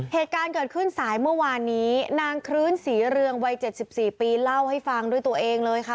เหตุการณ์เกิดขึ้นสายเมื่อวานนี้นางคลื้นศรีเรืองวัย๗๔ปีเล่าให้ฟังด้วยตัวเองเลยค่ะ